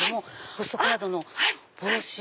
ポストカードの帽子。